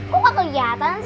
kok gak keliatan sih